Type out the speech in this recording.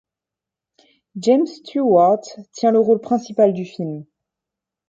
James Stewart tient le rôle principal du film.